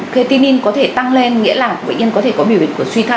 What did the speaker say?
ketinin có thể tăng lên nghĩa là có thể có biểu hiện của suy thận